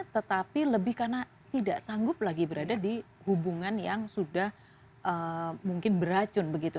tetapi lebih karena tidak sanggup lagi berada di hubungan yang sudah mungkin beracun begitu